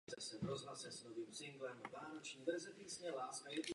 Mezi optické systémy s větším zvětšením patří mikroskop a dalekohled.